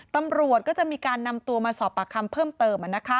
ตำรวจก็จะมีการนำตัวมาสอบปากคำเพิ่มเติม